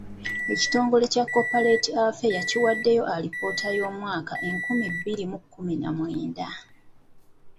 Ekitongole kya Corporate Affairs kiwaddeyo alipoota ey'omwaka enkumi bbiri mu kkumi na mwenda.